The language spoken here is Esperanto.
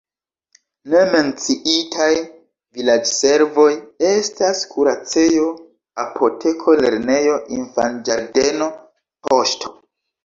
Ne menciitaj vilaĝservoj estas kuracejo, apoteko, lernejo, infanĝardeno, poŝto.